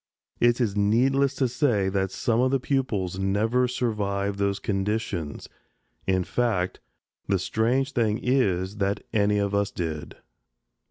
It is needless to say that some of the pupils never survived those conditions; in fact, the strange thing is that any of us did.